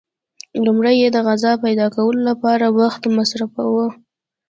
لومړی یې د غذا پیدا کولو لپاره وخت مصرفاوه.